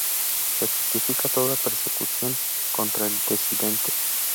Se justifica toda persecución contra el disidente.